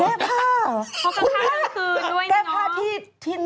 เขาจะฆ่าน้ำคืนด้วยน้อง